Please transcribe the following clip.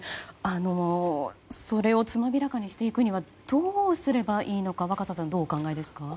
それをつまびらかにしていくにはどうすればいいのか若狭さん、どうお考えですか。